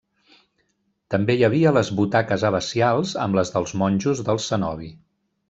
També hi havia les butaques abacials amb les dels monjos del cenobi.